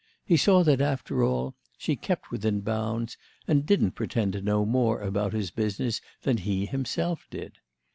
—he saw that, after all, she kept within bounds and didn't pretend to know more about his business than he himself did.